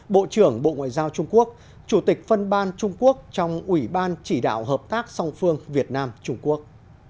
bộ trưởng bộ ngoại giao trung quốc chủ tịch phân ban trung quốc trong ủy ban chỉ đạo hợp tác song phương việt nam trung quốc